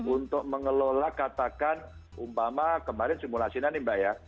untuk mengelola katakan umpama kemarin simulasi nanti mbak ya